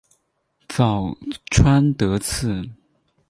早川德次